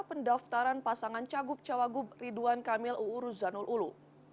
pendaftaran pasangan cagup cawagup ridwan kamil uuru zanul ulu